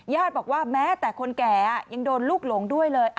บอกว่าแม้แต่คนแก่ยังโดนลูกหลงด้วยเลย